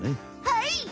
はい！